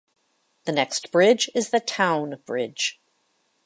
The next bridge is the Town Bridge.